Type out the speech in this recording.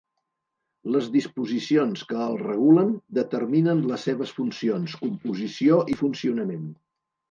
Les disposicions que el regulen determinen les seves funcions, composició i funcionament.